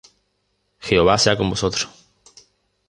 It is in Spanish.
Jehová sea con vosotros.